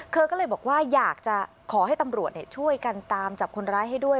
เธอก็เลยบอกว่าอยากจะขอให้ตำรวจช่วยกันตามจับคนร้ายให้ด้วย